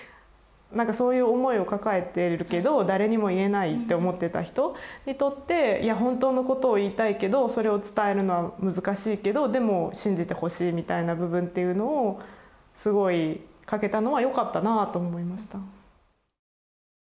そういう思いを抱えているけど誰にも言えないって思ってた人にとっていや本当のことを言いたいけどそれを伝えるのは難しいけどでも信じてほしいみたいな部分っていうのをすごい書けたのはよかったなぁと思いました。